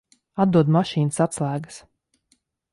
Atdod mašīnas atslēgas.